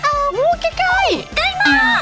ได้มากคิดจริง